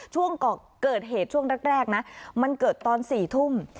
ช่วงเกิดเหตุช่วงแรกนะมันเกิดตอน๔ทุ่ม